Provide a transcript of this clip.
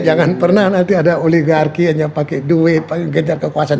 jangan pernah nanti ada oligarki hanya pakai duit pakai gencar kekuasaan